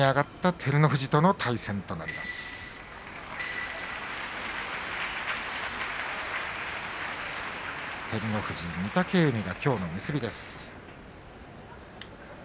照ノ富士、御嶽海がきょうの結びです。